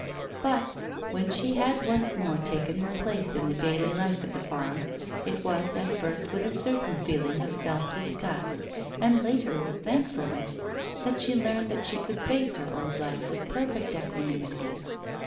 But when she had once more taken her place in the daily life at the farm, it was, at first with a certain feeling of self disgust, and later with thankfulness, that she learned that she could face her old life with perfect equanimity.